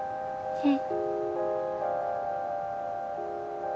うん。